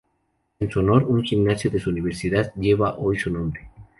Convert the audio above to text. En su honor, un gimnasio de su universidad lleva hoy su nombre.